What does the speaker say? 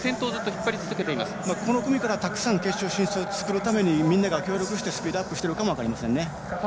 この組から、たくさん決勝進出をつくるためにみんなが協力してスピードアップしているかもしれません。